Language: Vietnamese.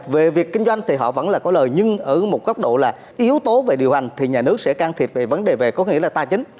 về việc kinh doanh thì họ vẫn là có lời nhưng ở một góc độ là yếu tố về điều hành thì nhà nước sẽ can thiệp về vấn đề về có nghĩa là tài chính